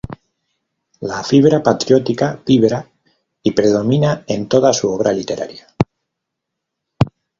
La fibra patriótica vibra y predomina en toda su obra literaria.